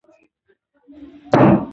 په دې برخه کې مخته ولاړه شې .